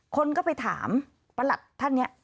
คนก็ไปถามประหลัดท่านเนี่ย